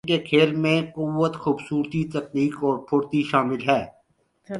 ان کے کھیل میں قوت، خوبصورتی ، تکنیک اور پھرتی شامل ہے